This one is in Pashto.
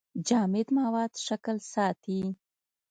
جامد مواد شکل ساتي.